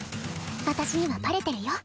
私にはバレてるよ